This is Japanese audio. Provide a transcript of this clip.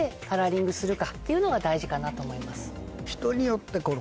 するかっていうのが大事かなと思います。